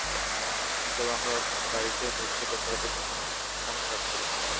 চলো, আমরা বাড়িতে বসে গতরাতের জন্য মন খারাপ করি।